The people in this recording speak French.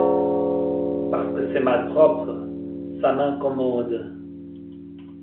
Parce que c’est malpropre ; ça m’incommode…